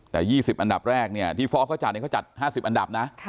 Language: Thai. แต่๒๐อันดับแรกเนี่ยที่ฟ้องเขาจัดเขาจัด๕๐อันดับนะ